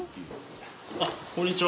あっこんにちは。